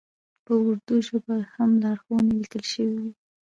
په اردو ژبه هم لارښوونې لیکل شوې وې.